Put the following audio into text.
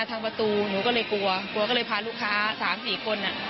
ตั้งประตูหนูก็เลยกลัวกลัวก็เลยพาลูกค้า๓๔คน